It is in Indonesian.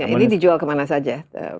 ini dijual kemana saja